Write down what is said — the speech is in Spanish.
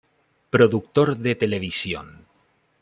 Productor de televisión